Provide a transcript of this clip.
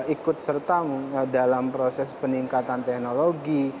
ikut serta dalam proses peningkatan teknologi